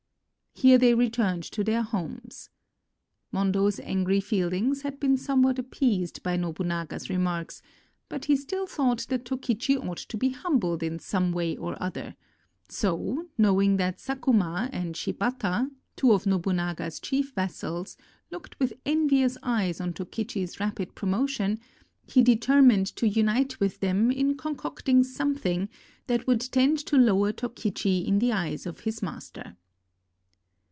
Here they returned to their homes. Mondo's angry feelings had been somewhat appeased by Nobunaga's remarks, but he still thought that Tokichi ought to be humbled in some way or other; so, knowing that Sakuma and Shibata, two of Nobunaga's chief vassals, looked with envious eyes on Tokichi's rapid promotion, he deter mined to unite with them in concocting something that would tend to lower Tokichi in the eyes of his master.